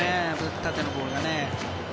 縦のボールがね。